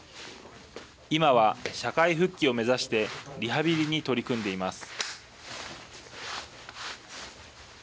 今は、社会復帰を目指してリハビリに取り組んでいます。